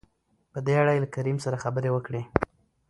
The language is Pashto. په دې اړه يې له کريم سره خبرې وکړې.